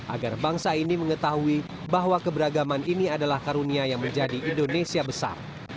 agar bangsa ini mengetahui bahwa keberagaman ini adalah karunia yang menjadi indonesia besar